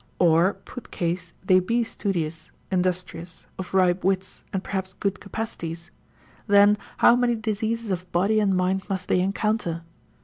Or put case they be studious, industrious, of ripe wits, and perhaps good capacities, then how many diseases of body and mind must they encounter?